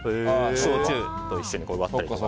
焼酎と一緒に割ったりとか。